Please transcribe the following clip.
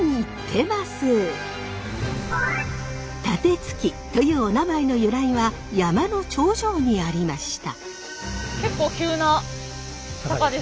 楯築というおなまえの由来は山の頂上にありました。